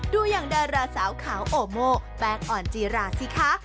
ดูอย่างดาราสาวขาวโอโมแป้งอ่อนจีราสิคะ